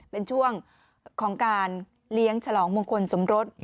เป็นช่วงของการเลี้ยงฉลองมงคลสมรส